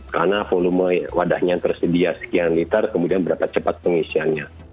karena volume wadahnya tersedia sekian liter kemudian berapa cepat pengisiannya